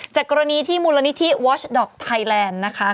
จากกรณีที่มูลนิธิวอชดอกไทยแลนด์นะคะ